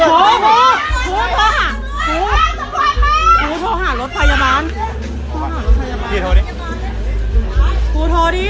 โอ้โหโทรหารถพยาบาลโทรหารถพยาบาลพี่โทรดิโอ้โหโทรดิ